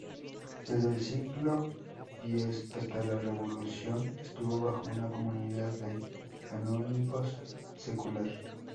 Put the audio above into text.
Desde el siglo X hasta la Revolución, estuvo bajo una comunidad de canónigos, secular.